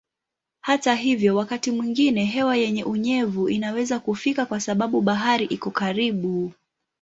Hata hivyo wakati mwingine hewa yenye unyevu inaweza kufika kwa sababu bahari iko karibu.